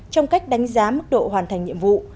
trong cách đánh giá mức độ hoàn thành nhiệm vụ